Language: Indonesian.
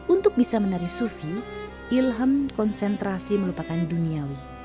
untuk bisa menari sufi ilham konsentrasi melupakan duniawi